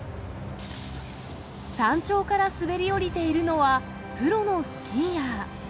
山頂から滑り降りているのは、プロのスキーヤー。